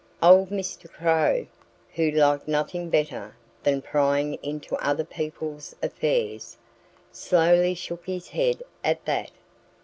Old Mr. Crow, who liked nothing better than prying into other people's affairs, slowly shook his head at that.